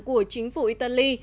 của chính phủ italy